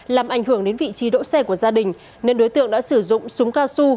làm ảnh hưởng đến vị trí đỗ xe của gia đình nên đối tượng đã sử dụng súng cao su